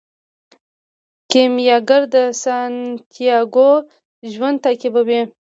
کیمیاګر د سانتیاګو ژوند تعقیبوي.